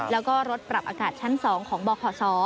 แล้วก็รถปรับอากาศชั้น๒ของบขศ